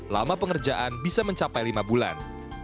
lama pengerjaan bisa mencapai lima bulan